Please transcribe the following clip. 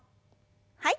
はい。